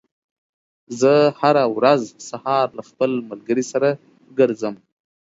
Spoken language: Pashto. زه هره ورځ سهار له خپل ملګري سره ګرځم.